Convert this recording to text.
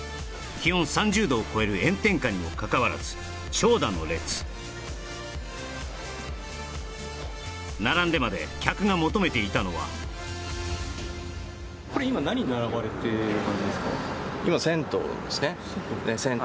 気温３０度を超える炎天下にもかかわらず長蛇の列並んでまで客が求めていたのは今銭湯ですね銭湯？